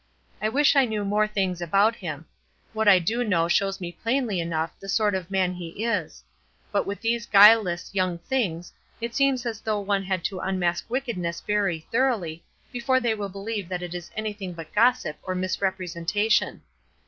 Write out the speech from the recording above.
I wish I knew more things about him; what I do know shows me plainly enough the sort of man he is; but with these guileless young things it seems as though one had to unmask wickedness very thoroughly before they will believe that it is anything but gossip or misrepresentation.